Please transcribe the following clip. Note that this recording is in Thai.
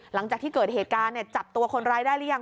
หลังจากที่เกิดเหตุการณ์จับตัวคนร้ายได้หรือยัง